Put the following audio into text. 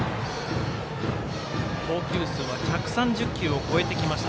投球数は１３０球を超えてきました。